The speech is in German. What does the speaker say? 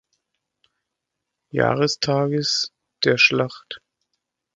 Jahrestages der Schlacht.